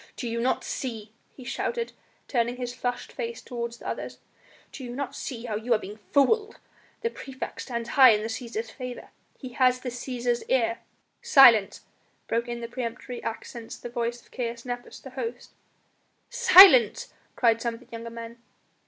"Do ye not see," he shouted, turning his flushed face toward the others, "do you not see how you are being fooled? The praefect stands high in the Cæsar's favour, he has the Cæsar's ear " "Silence!" broke in in peremptory accents the voice of Caius Nepos, the host. "Silence!" cried some of the younger men.